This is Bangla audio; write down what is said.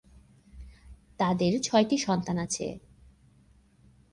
তাদের ছয়টি সন্তান আছে।